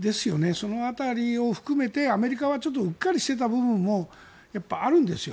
その辺りを含めてアメリカはうっかりしていた部分もあるんですよ。